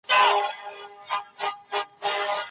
زده کړه د عدالت ملاتړ کوي.